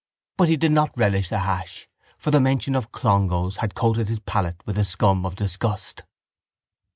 But he did not relish the hash for the mention of Clongowes had coated his palate with a scum of disgust.